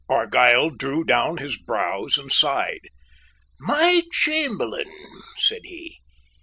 Argyll drew down his brows and sighed. "My Chamberlain?" said he.